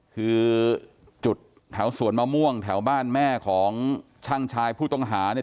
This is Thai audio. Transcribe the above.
คือจุดแถวสวนมะม่วงแถวบ้านแม่ของช่างชายผู้ต้องหาเนี่ย